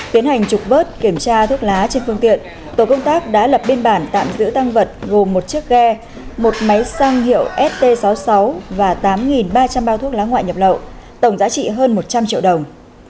tiến hành trục vớt kiểm tra thuốc lá trên phương tiện tổ công tác đã lập biên bản tạm giữ tăng vật gồm một chiếc ghe một máy xăng hiệu st sáu mươi sáu và tám ba trăm linh bao thuốc lá ngoại nhập lậu tổng giá trị hơn một trăm linh triệu đồng